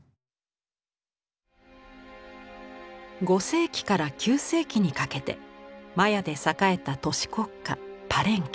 ５世紀から９世紀にかけてマヤで栄えた都市国家パレンケ。